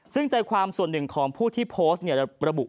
ซึ่งใจความส่วนหนึ่งของผู้ที่โพสต์ระบุ